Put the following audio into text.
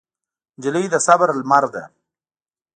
نجلۍ د صبر لمر ده.